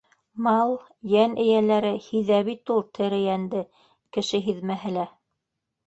Мал, йән эйәләре һиҙә бит ул тере йәнде, кеше һиҙмәһә лә!